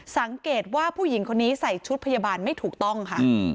สังเกตว่าผู้หญิงคนนี้ใส่ชุดพยาบาลไม่ถูกต้องค่ะ